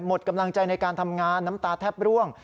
หมดกำลังใจในการทำงานน้ำตาแทบร่วง